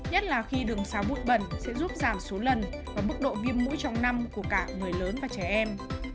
nhất là khi đường xá bụi bẩn sẽ giúp giảm số lần và mức độ viêm mũi trong năm của cả người lớn và trẻ em